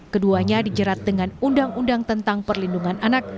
keduanya dijerat dengan undang undang tentang perlindungan anak